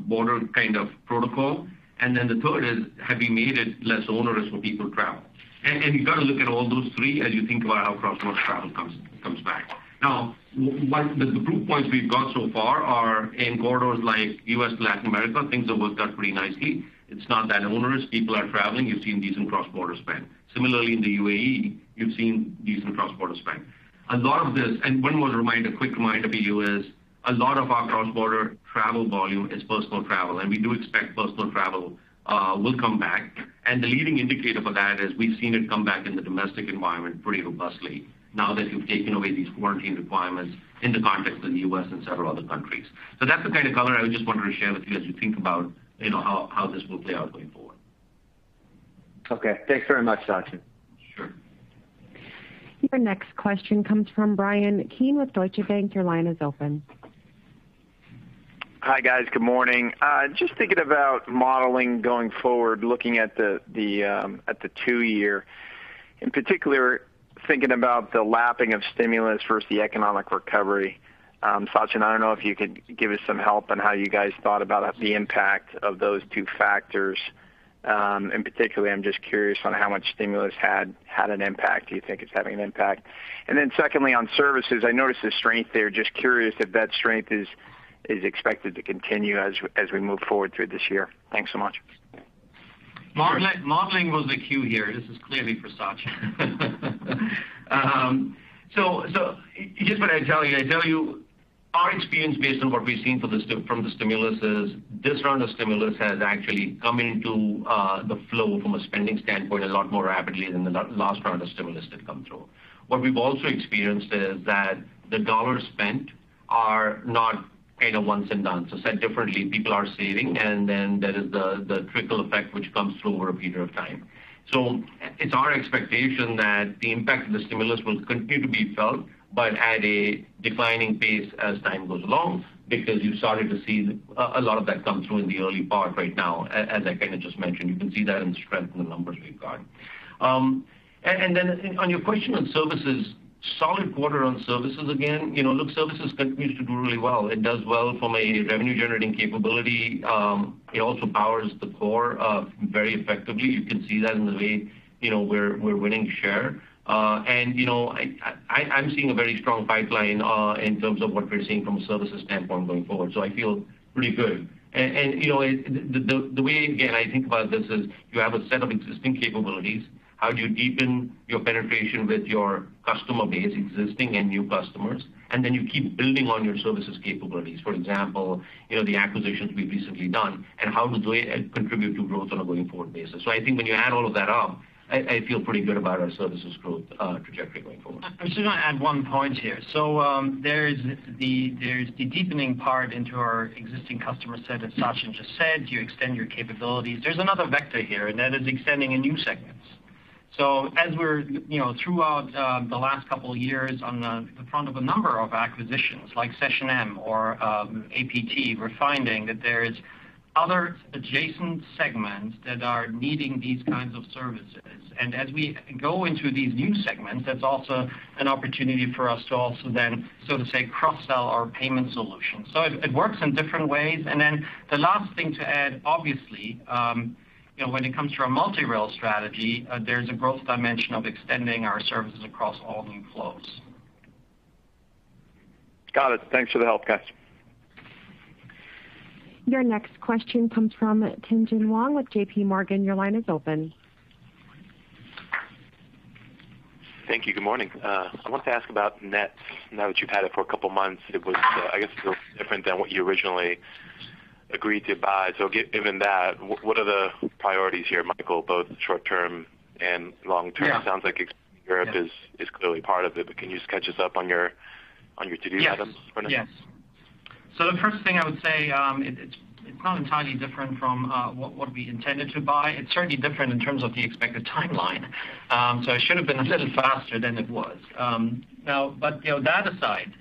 border kind of protocol, and then the third is have you made it less onerous for people to travel? You got to look at all those three as you think about how cross-border travel comes back. The proof points we've got so far are in corridors like U.S. to Latin America, things have worked out pretty nicely. It's not that onerous. People are traveling. You've seen decent cross-border spend. Similarly, in the UAE, you've seen decent cross-border spend. A lot of this, and one more quick reminder to you is a lot of our cross-border travel volume is personal travel, and we do expect personal travel will come back. The leading indicator for that is we've seen it come back in the domestic environment pretty robustly now that you've taken away these quarantine requirements in the context of the U.S. and several other countries. That's the kind of color I just wanted to share with you as you think about how this will play out going forward. Okay. Thanks very much, Sachin. Sure. Your next question comes from Bryan Keane with Deutsche Bank. Your line is open. Hi, guys. Good morning. Just thinking about modeling going forward, looking at the two-year, in particular thinking about the lapping of stimulus versus the economic recovery. Sachin, I don't know if you could give us some help on how you guys thought about the impact of those two factors. I'm just curious on how much stimulus had an impact. Do you think it's having an impact? Secondly, on services, I noticed the strength there. Just curious if that strength is expected to continue as we move forward through this year. Thanks so much. Modeling was the cue here. This is clearly for Sachin. Just what I tell you our experience based on what we've seen from the stimulus is this round of stimulus has actually come into the flow from a spending standpoint, a lot more rapidly than the last round of stimulus that come through. What we've also experienced is that the dollars spent are not once and done. Said differently, people are saving, and then there is the trickle effect, which comes through over a period of time. It's our expectation that the impact of the stimulus will continue to be felt, but at a declining pace as time goes along, because you've started to see a lot of that come through in the early part right now, as I kind of just mentioned. You can see that in the strength in the numbers we've got. On your question on services, solid quarter on services again. Look, services continues to do really well. It does well from a revenue-generating capability. It also powers the core very effectively. You can see that in the way we're winning share. I'm seeing a very strong pipeline, in terms of what we're seeing from a services standpoint going forward. I feel pretty good. The way, again, I think about this is you have a set of existing capabilities. How do you deepen your penetration with your customer base, existing and new customers? You keep building on your services capabilities. For example, the acquisitions we've recently done and how those contribute to growth on a going forward basis. I think when you add all of that up, I feel pretty good about our services growth trajectory going forward. I'm just going to add one point here. There's the deepening part into our existing customer set, as Sachin just said. You extend your capabilities. There's another vector here, and that is extending in new segments. As we're throughout the last couple of years on the front of a number of acquisitions like SessionM or APT, we're finding that there's other adjacent segments that are needing these kinds of services. As we go into these new segments, that's also an opportunity for us to also then so to say, cross-sell our payment solutions. It works in different ways. The last thing to add, obviously, when it comes to our multi-rail strategy, there's a growth dimension of extending our services across all new flows. Got it. Thanks for the help, guys. Your next question comes from Tien-tsin Huang with J.P. Morgan. Your line is open. Thank you. Good morning. I want to ask about Nets. Now that you've had it for a couple of months, it was, I guess, a little different than what you originally agreed to buy. Given that, what are the priorities here, Michael, both short-term and long-term? Yeah. It sounds like Europe is clearly part of it, but can you just catch us up on your to-do items for now? Yes. The first thing I would say, it's not entirely different from what we intended to buy. It's certainly different in terms of the expected timeline. It should've been a little faster than it was. That aside,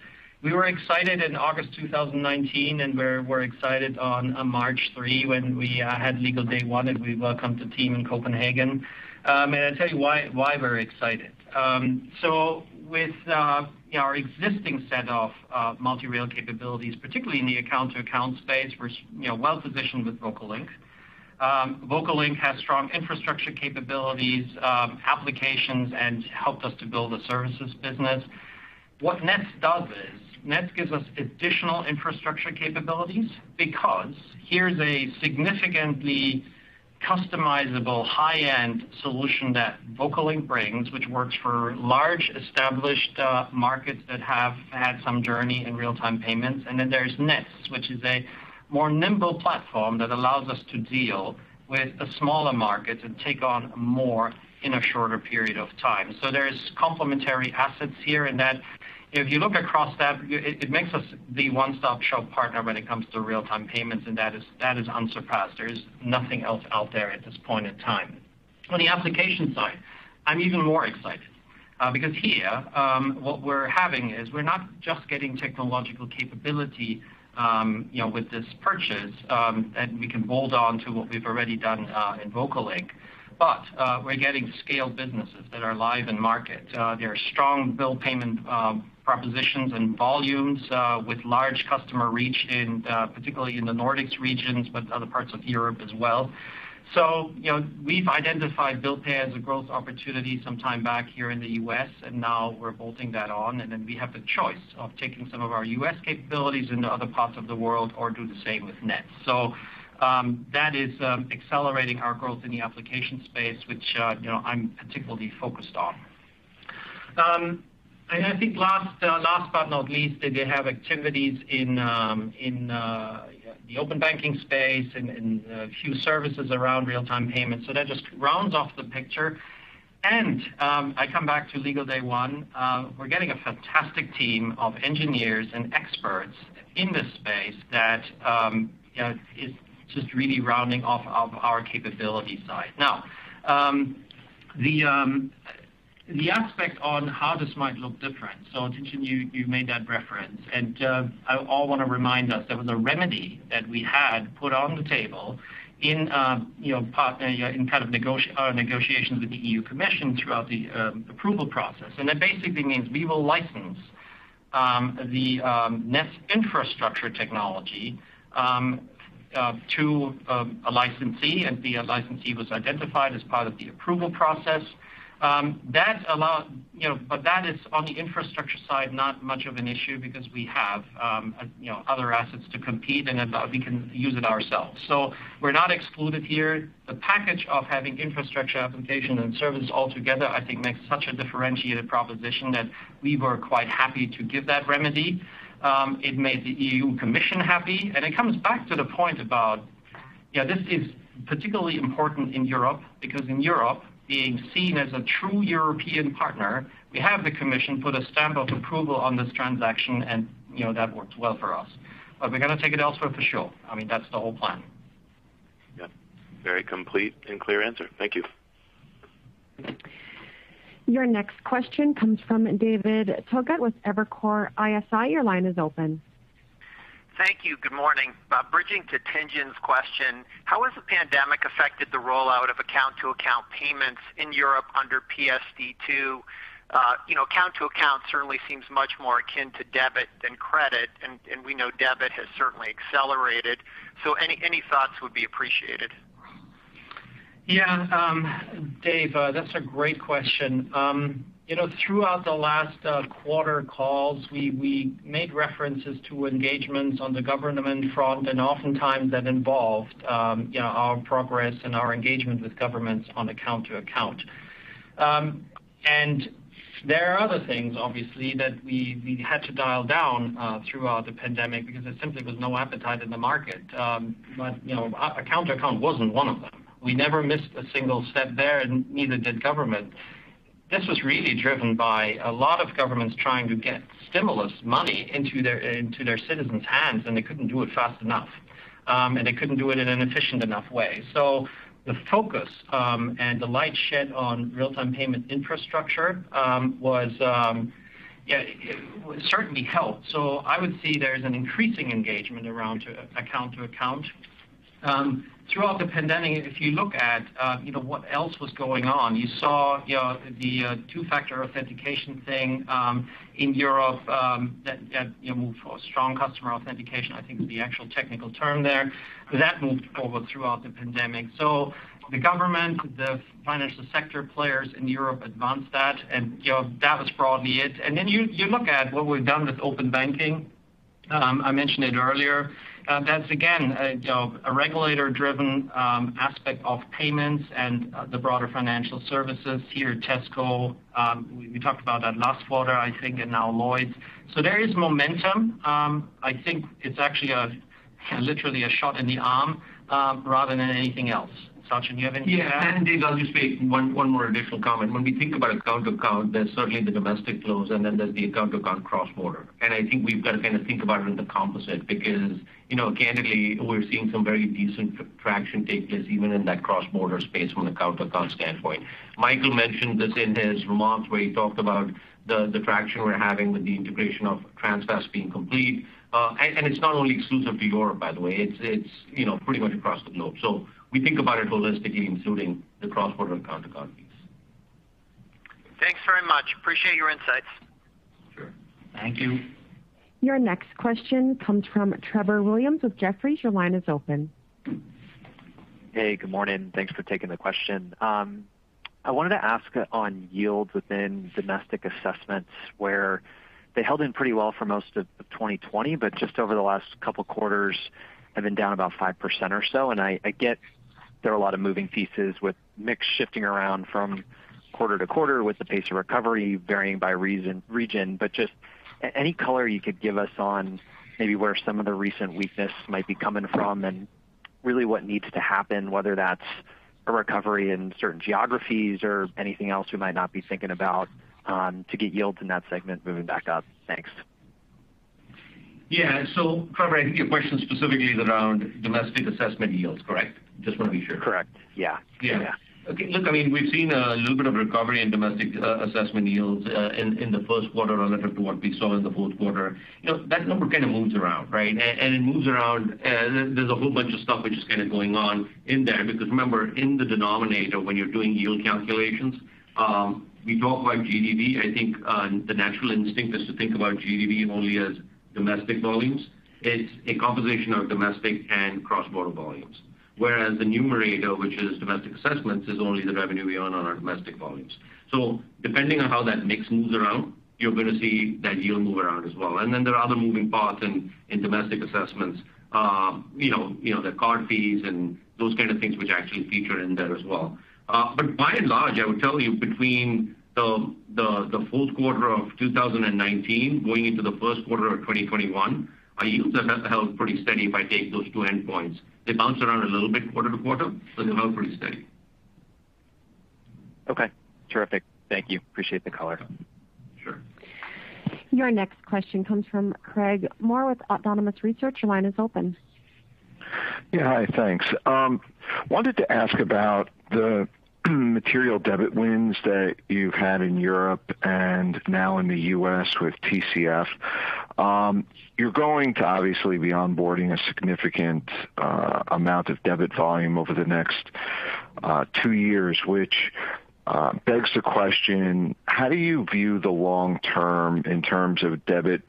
we were excited in August 2019, and we're excited on March three when we had legal day one, and we welcomed the team in Copenhagen. I'll tell you why we're excited. With our existing set of multi-rail capabilities, particularly in the account-to-account space, we're well-positioned with Vocalink. Vocalink has strong infrastructure capabilities, applications, and helped us to build a services business. What Nets does is Nets gives us additional infrastructure capabilities because here's a significantly customizable high-end solution that Vocalink brings, which works for large established markets that have had some journey in real-time payments. There's Nets, which is a more nimble platform that allows us to deal with the smaller markets and take on more in a shorter period of time. There's complementary assets here in that if you look across that, it makes us the one-stop-shop partner when it comes to real-time payments, and that is unsurpassed. There is nothing else out there at this point in time. On the application side, I'm even more excited. Here, what we're having is we're not just getting technological capability with this purchase, and we can bolt on to what we've already done in Vocalink. We're getting scaled businesses that are live in-market. There are strong bill-payment propositions and volumes, with large customer reach in, particularly in the Nordics regions, but other parts of Europe as well. We've identified bill pay as a growth opportunity sometime back here in the U.S., now we're bolting that on, then we have the choice of taking some of our U.S. capabilities into other parts of the world or do the same with Nets. That is accelerating our growth in the application space, which I'm particularly focused on. I think last but not least, they have activities in the open banking space and a few services around real-time payments. That just rounds off the picture. I come back to legal day one. We're getting a fantastic team of engineers and experts in this space that is just really rounding off our capability side. The aspect on how this might look different, so Tien-tsin, you made that reference, and I all want to remind us there was a remedy that we had put on the table in kind of negotiations with the European Commission throughout the approval process. That basically means we will license the Nets infrastructure technology to a licensee, and the licensee was identified as part of the approval process. That is on the infrastructure side, not much of an issue because we have other assets to compete, and we can use it ourselves. We're not excluded here. The package of having infrastructure, application, and service all together, I think, makes such a differentiated proposition that we were quite happy to give that remedy. It made the European Commission happy. It comes back to the point about, this is particularly important in Europe, because in Europe, being seen as a true European partner, we have the Commission put a stamp of approval on this transaction and that worked well for us. We're going to take it elsewhere for sure. That's the whole plan. Yeah. Very complete and clear answer. Thank you. Your next question comes from David Togut with Evercore ISI. Your line is open. Thank you. Good morning. Bridging to Tien-tsin's question, how has the pandemic affected the rollout of account-to-account payments in Europe under PSD2? Account-to-account certainly seems much more akin to debit than credit. We know debit has certainly accelerated. Any thoughts would be appreciated. Dave, that's a great question. Throughout the last quarter calls, we made references to engagements on the government front, and oftentimes that involved our progress and our engagement with governments on account-to-account. There are other things, obviously, that we had to dial down throughout the pandemic because there simply was no appetite in the market. Account-to-account wasn't one of them. We never missed a single step there and neither did government. This was really driven by a lot of governments trying to get stimulus money into their citizens' hands, and they couldn't do it fast enough. They couldn't do it in an efficient enough way. The focus and the light shed on real-time payment infrastructure certainly helped. I would say there's an increasing engagement around account-to-account. Throughout the pandemic, if you look at what else was going on, you saw the two-factor authentication thing in Europe that moved for Strong Customer Authentication, I think is the actual technical term there. That moved forward throughout the pandemic. The government, the financial sector players in Europe advanced that, and that was broadly it. Then you look at what we've done with open banking. I mentioned it earlier. That's again a regulator-driven aspect of payments and the broader financial services here at Tesco. We talked about that last quarter, I think, and now Lloyds. There is momentum. I think it's actually literally a shot in the arm rather than anything else. Sachin, do you have anything to add? Yeah. David, I'll just make one more additional comment. When we think about account to account, there's certainly the domestic flows, and then there's the account to account cross-border. I think we've got to think about it in the composite because, candidly, we're seeing some very decent traction take place even in that cross-border space from account to account standpoint. Michael mentioned this in his remarks where he talked about the traction we're having with the integration of Transfast being complete. It's not only exclusive to Europe, by the way. It's pretty much across the globe. We think about it holistically, including the cross-border account to account piece. Thanks very much. Appreciate your insights. Sure. Thank you. Your next question comes from Trevor Williams with Jefferies. Your line is open. Hey, good morning. Thanks for taking the question. I wanted to ask on yield within domestic assessments where they held in pretty well for most of 2020, but just over the last couple quarters have been down about 5% or so. I get there are a lot of moving pieces with mix shifting around from quarter to quarter with the pace of recovery varying by region, but just any color you could give us on maybe where some of the recent weakness might be coming from and really what needs to happen, whether that's a recovery in certain geographies or anything else we might not be thinking about to get yields in that segment moving back up. Thanks Yeah. Trevor, I think your question specifically is around domestic assessment yields, correct? Just want to be sure. Correct. Yeah. Yeah. Okay. Look, we've seen a little bit of recovery in domestic assessment yields in the first quarter relative to what we saw in the fourth quarter. That number kind of moves around, right? It moves around, there's a whole bunch of stuff which is kind of going on in there because remember, in the denominator, when you're doing yield calculations, we talk about GDV. I think the natural instinct is to think about GDV only as domestic volumes. It's a composition of domestic and cross-border volumes. Whereas the numerator, which is domestic assessments, is only the revenue we earn on our domestic volumes. Depending on how that mix moves around, you're going to see that yield move around as well. Then there are other moving parts in domestic assessments. The card fees and those kind of things which actually feature in there as well. By and large, I would tell you between the fourth quarter of 2019 going into the first quarter of 2021, our yields have held pretty steady if I take those two endpoints. They bounce around a little bit quarter to quarter, but they held pretty steady. Okay. Terrific. Thank you. Appreciate the color. Sure. Your next question comes from Craig Maurer with Autonomous Research. Your line is open. Yeah, hi. Thanks. Wanted to ask about the material debit wins that you've had in Europe and now in the U.S. with TCF. You're going to obviously be onboarding a significant amount of debit volume over the next two years, which begs the question, how do you view the long term in terms of debit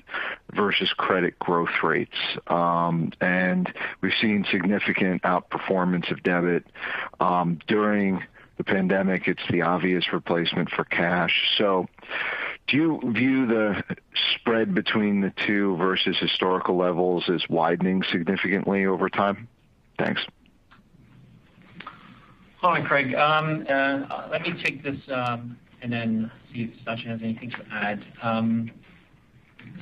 versus credit growth rates? We've seen significant outperformance of debit during the pandemic. It's the obvious replacement for cash. Do you view the spread between the two versus historical levels as widening significantly over time? Thanks. Hi, Craig. Let me take this and then see if Sachin has anything to add.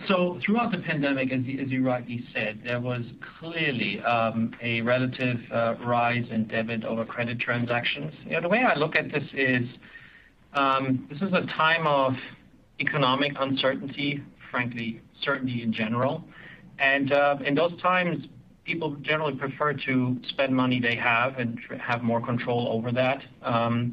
Throughout the pandemic, as you rightly said, there was clearly a relative rise in debit over credit transactions. The way I look at this is, this is a time of economic uncertainty, frankly, certainty in general. In those times, people generally prefer to spend money they have and have more control over that. That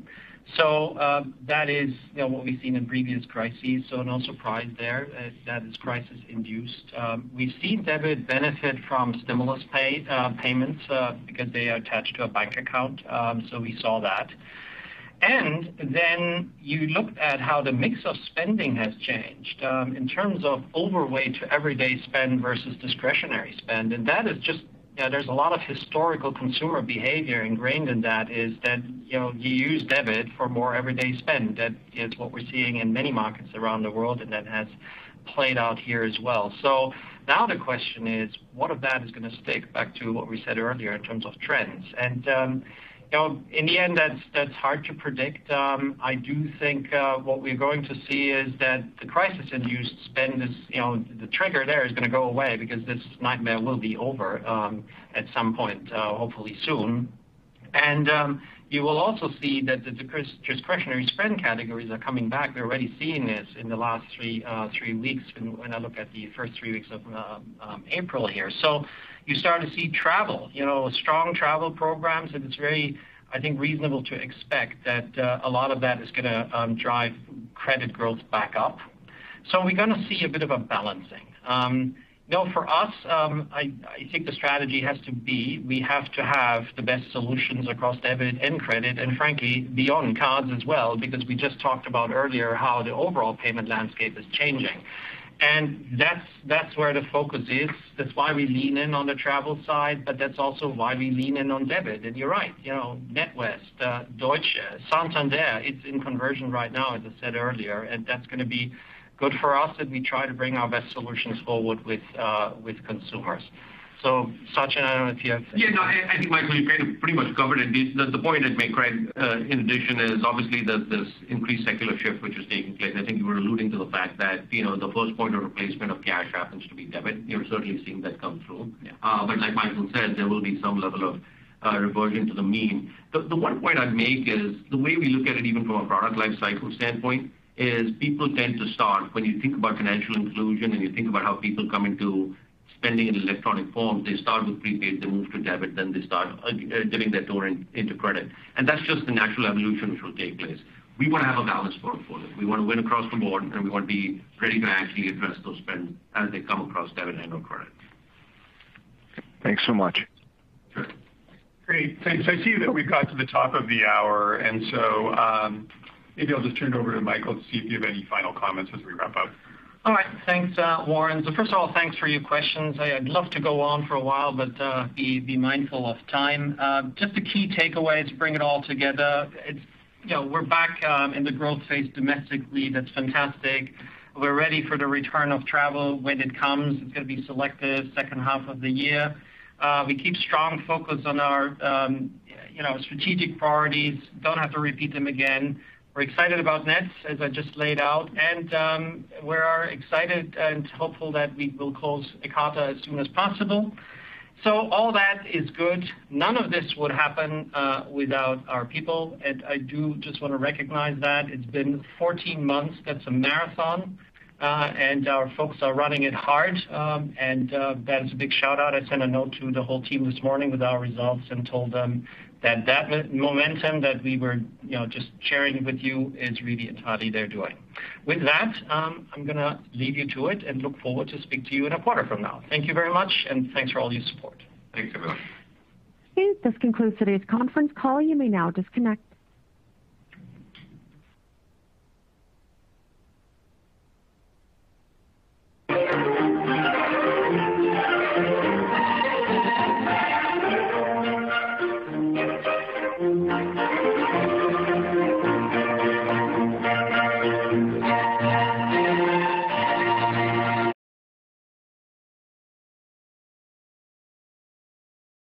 is what we've seen in previous crises, so no surprise there that it's crisis induced. We've seen debit benefit from stimulus payments because they are attached to a bank account. We saw that. Then you looked at how the mix of spending has changed in terms of overweight everyday spend versus discretionary spend. There's a lot of historical consumer behavior ingrained in that is that you use debit for more everyday spend. That is what we're seeing in many markets around the world, and that has played out here as well. Now the question is what of that is going to stick back to what we said earlier in terms of trends? In the end, that's hard to predict. I do think what we're going to see is that the crisis-induced spend, the trigger there is going to go away because this nightmare will be over at some point, hopefully soon. You will also see that the discretionary spend categories are coming back. We're already seeing this in the last three weeks when I look at the first three weeks of April here. You start to see travel, strong travel programs, and it's very, I think, reasonable to expect that a lot of that is going to drive credit growth back up. We're going to see a bit of a balancing. For us, I think the strategy has to be we have to have the best solutions across debit and credit and frankly, beyond cards as well, because we just talked about earlier how the overall payment landscape is changing. That's where the focus is. That's why we lean in on the travel side, but that's also why we lean in on debit. You're right, NatWest, Deutsche, Santander, it's in conversion right now as I said earlier, and that's going to be good for us as we try to bring our best solutions forward with consumers. Sachin, I don't know if you have anything. Yeah, no, I think Michael, you pretty much covered it. The point I'd make, Craig, in addition is obviously there's this increased secular shift which is taking place. I think you were alluding to the fact that the first point of replacement of cash happens to be debit. You're certainly seeing that come through. Yeah. Like Michael said, there will be some level of reversion to the mean. The one point I'd make is the way we look at it even from a product life cycle standpoint is people tend to start, when you think about financial inclusion and you think about how people come into spending in electronic forms, they start with prepaid, they move to debit, then they start getting their toe into credit. That's just the natural evolution which will take place. We want to have a balanced portfolio. We want to win across the board, and we want to be ready to actually address those spends as they come across debit and/or credit. Thanks so much. Sure. Great. Thanks. I see that we've got to the top of the hour. Maybe I'll just turn it over to Michael to see if you have any final comments as we wrap up. All right. Thanks, Warren. First of all, thanks for your questions. I'd love to go on for a while, but be mindful of time. Just the key takeaways to bring it all together. We're back in the growth phase domestically. That's fantastic. We're ready for the return of travel when it comes. It's going to be selective second half of the year. We keep strong focus on our strategic priorities. Don't have to repeat them again. We're excited about Nets, as I just laid out. We are excited and hopeful that we will close Ekata as soon as possible. All that is good. None of this would happen without our people, and I do just want to recognize that it's been 14 months. That's a marathon, and our folks are running it hard, and that is a big shout-out. I sent a note to the whole team this morning with our results and told them that that momentum that we were just sharing with you is really entirely their doing. With that, I'm going to leave you to it and look forward to speak to you in a quarter from now. Thank you very much, and thanks for all your support. Thanks, everyone. This concludes today's conference call. You may now disconnect.